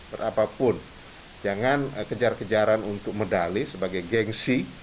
berapapun jangan kejar kejaran untuk medali sebagai gengsi